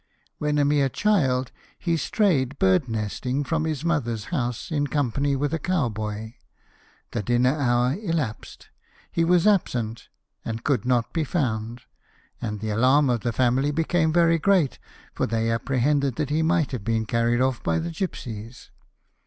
When a mere child, he strayed birds nesting from his mother's house in company with a cow boy ; the dinner hour elapsed ; he was absent, and could not be found ; and the alarm of the family became very great, for they apprehended that he might have been carried off by the gipsies.